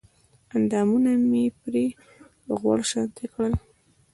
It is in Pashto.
اندامونه مې پرې غوړ شانتې کړل